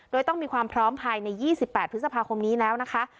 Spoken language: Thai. โดยต้องมีความพร้อมภายใน๒๘พฤษภาคมนี้แล้วนะคะ